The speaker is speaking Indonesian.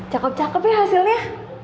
cakep cakep ya hasilnya